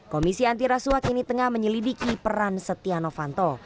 komisi antirasuak ini tengah menyelidiki peran setia novanto